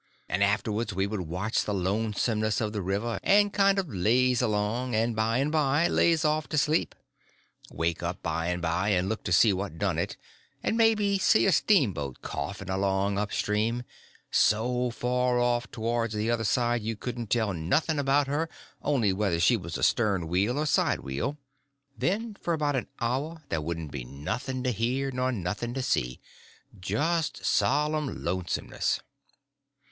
And afterwards we would watch the lonesomeness of the river, and kind of lazy along, and by and by lazy off to sleep. Wake up by and by, and look to see what done it, and maybe see a steamboat coughing along up stream, so far off towards the other side you couldn't tell nothing about her only whether she was a stern wheel or side wheel; then for about an hour there wouldn't be nothing to hear nor nothing to see—just solid lonesomeness.